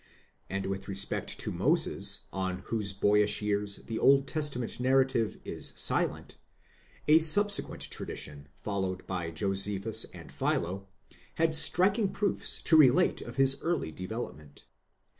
and with respect to Moses, on whose boyish years the Old Testament narrative is silent, a subse quent tradition, followed by Josephus and Philo, had striking proofs to relate of his early development.